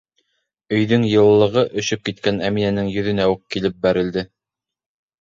Өйҙөң йылылығы өшөп киткән Әминәнең йөҙөнә үк килеп бәрелде.